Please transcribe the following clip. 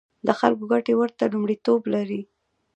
د خلکو ګټې ورته لومړیتوب لري.